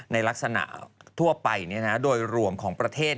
ในลักษณะทั่วไปโดยรวมของประเทศ